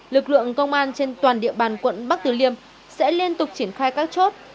lực lượng công an trên toàn địa bàn quận bắc từ liêm sẽ liên tục triển khai các chốt